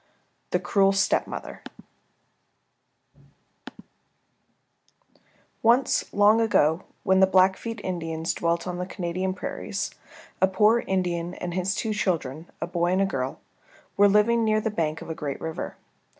THE CRUEL STEPMOTHER Once long ago, when the Blackfeet Indians dwelt on the Canadian prairies, a poor Indian and his two children, a boy and a girl, were living near the bank of a great river.